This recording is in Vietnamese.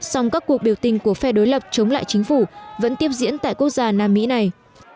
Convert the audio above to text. song các cuộc biểu tình của phe đối lập chống lại chính phủ vẫn tiếp diễn tại quốc gia nam mỹ này